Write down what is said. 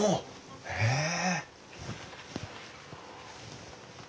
へえ。